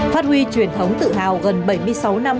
phát huy truyền thống tự hào gần bảy mươi sáu năm